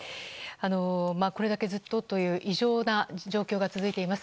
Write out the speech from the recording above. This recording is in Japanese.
これだけずっとという異常な状況が続いています。